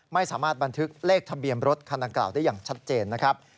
ไม่สามารถบันทึกเลขทะเบียนรถคันดังกล่าวได้อย่างชัดเจนนะครับ